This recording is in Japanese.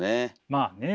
まあね。